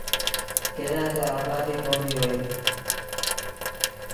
ڪݩهݩ لآ تا آبآديٚ ڪونديٚ هوئي۔